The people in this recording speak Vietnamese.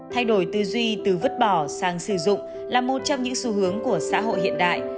thay đổi tư duy từ vứt bỏ sang sử dụng là một trong những xu hướng của xã hội hiện đại